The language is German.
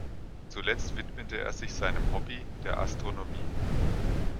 Zuletzt widmete er sich seinem Hobby, der Astronomie.